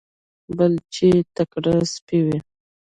بل چې تکړه سپی وي.